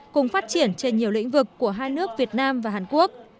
cùng phát triển trên nhiều lĩnh vực của hai nước việt nam và hàn quốc